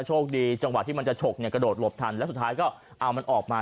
โชคดีจังหวะที่มันจะฉกเนี่ยกระโดดหลบทันแล้วสุดท้ายก็เอามันออกมา